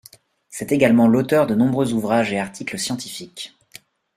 C'est également l'auteur de nombreux ouvrages et articles scientifiques.